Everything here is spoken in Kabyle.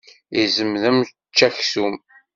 Izem d ameččaksum.